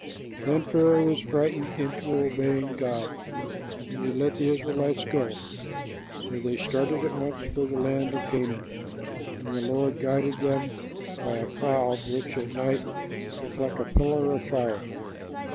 Then Pharaoh was frightened into obeying God, and he let the Israelites go; so they started at once for the land of Canaan, and the Lord guided them by a cloud, which at night looked like a pillar of fire.